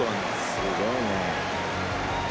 すごいね。